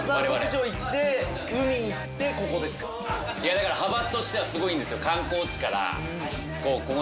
だから幅としてはすごいいいんですよ。